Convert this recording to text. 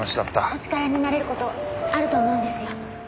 お力になれる事あると思うんですよ。